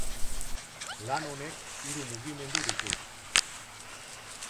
Lan honek hiru mugimendu ditu.